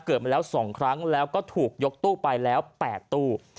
มาแล้ว๒ครั้งแล้วก็ถูกยกตู้ไปแล้ว๘ตู้